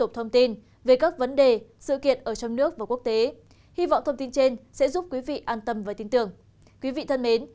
những người thân mến những người thân mến những người thân mến những người thân mến